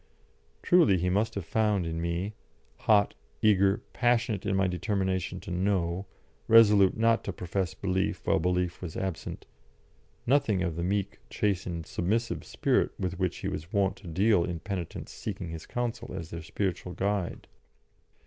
Truly, he must have found in me hot, eager, passionate in my determination to know, resolute not to profess belief while belief was absent nothing of the meek, chastened, submissive spirit with which he was wont to deal in penitents seeking his counsel as their spiritual guide.